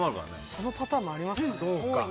そのパターンもありますね。